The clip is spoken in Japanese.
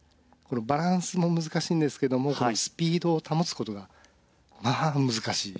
バランスも難しいんですけどもスピードを保つ事がまあ難しい。